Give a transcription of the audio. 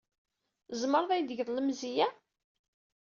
Tzemreḍ ad iyi-d-tgeḍ lemzeyya?